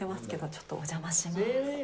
ちょっとお邪魔します。